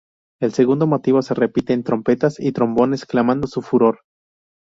El segundo motivo se repite en trompetas y trombones clamando su furor.